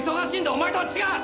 お前とは違う！